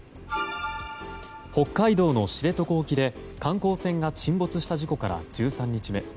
北海道の知床沖で観光船が沈没した事故から１３日目。